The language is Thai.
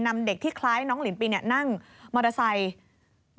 นำเด็กที่คล้ายน้องหลินปีนั่งมอเตอร์ไซค์